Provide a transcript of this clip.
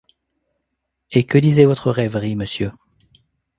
Et que disait votre rêverie, monsieur ?